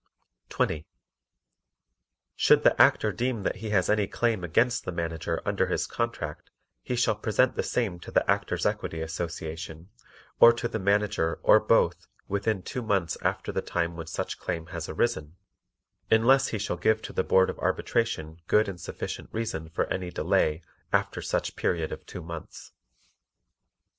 20. Should the Actor deem that he has any claim against the Manager under his contract he shall present the same to the Actors' Equity Association or to the Manager or both within two months after the time when such claim has arisen, unless he shall give to the Board of Arbitration good and sufficient reason for any delay after such period of two months.